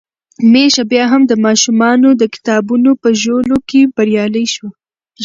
ميښه بيا هم د ماشومانو د کتابونو په ژولو کې بريالۍ شوه.